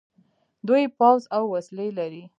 دوی پوځ او وسلې لري.